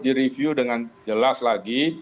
di review dengan jelas lagi